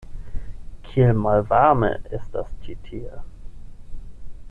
Kiel malvarme estas ĉi tie!